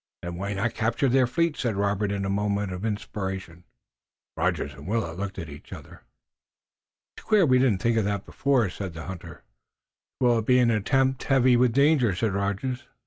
"Then why not capture their fleet?" said Robert in a moment of inspiration. Rogers and Willet looked at each other. "It's queer we didn't think of that before," said the hunter. "'Twill be an attempt heavy with danger," said Rogers.